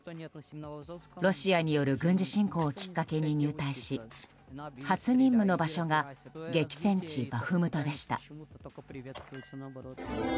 ロシアによる軍事侵攻をきっかけに入隊し初任務の場所が激戦地バフムトでした。